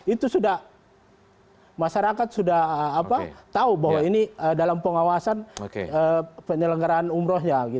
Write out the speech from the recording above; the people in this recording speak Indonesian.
itu sudah masyarakat sudah tahu bahwa ini dalam pengawasan penyelenggaraan umrohnya